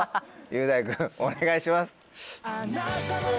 雄大君お願いします。